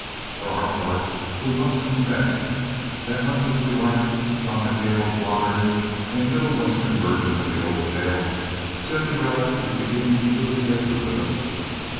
For our part, we must confess that much as we like Zona Gale's modern and middle western version of the old tale, Cinderella is beginning to lose favor with us.